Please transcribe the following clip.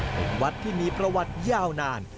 เป็นวัดที่มีประวัติยาวนาน